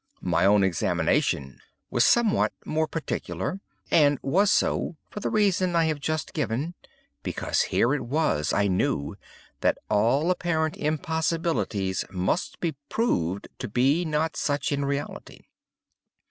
"My own examination was somewhat more particular, and was so for the reason I have just given—because here it was, I knew, that all apparent impossibilities must be proved to be not such in reality.